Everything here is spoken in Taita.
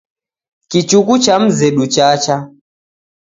Kichuku cha mzedu chacha